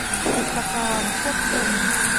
อุปกรณ์ควบคุม